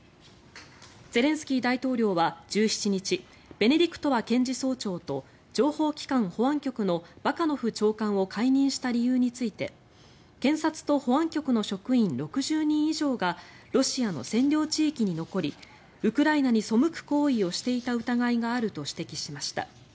ゼレンスキー大統領は１７日ベネディクトワ検事総長と情報機関保安局のバカノフ長官を解任した理由について検察と保安局の職員６０人以上がロシアの占領地域に残りウクライナに背く行為をしていた疑いがあると指摘しました。